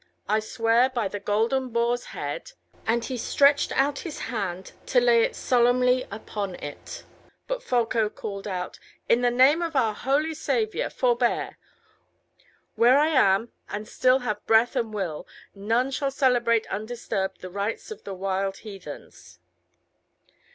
I swear by the golden boar's head " And he stretched out his hand, to lay it solemnly upon it. But Folko called out, "In the name of our holy Saviour, forbear. Where I am, and still have breath and will, none shall celebrate undisturbed the rites of the wild heathens."